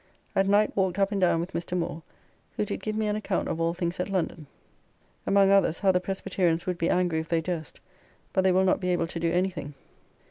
At night walked up and down with Mr. Moore, who did give me an account of all things at London. Among others, how the Presbyterians would be angry if they durst, but they will not be able to do any thing.